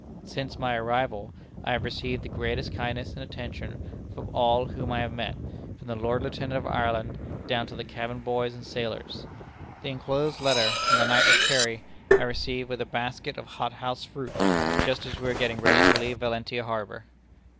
"Since my arrival, I have received the greatest kindness and attention from all whom I have met, from the Lord Lieutenant of Ireland, down to the cabin boys and sailors. The inclosed letter from the Knight of Kerry, I received with a basket of hothouse fruit, just as we were getting ready to leave Valentia harbor.